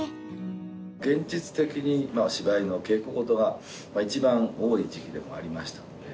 現実的に芝居の稽古事が一番多い時期でもありましたんで。